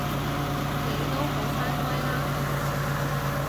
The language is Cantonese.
你好返歸喇